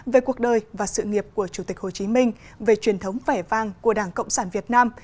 về cuộc đời và sự nghiệp của chủ tịch hồ chí minh về truyền thống vẻ vang của đảng cộng sản việt nam